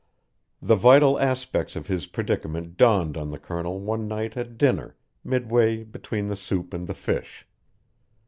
The vital aspects of his predicament dawned on the Colonel one night at dinner, midway between the soup and the fish.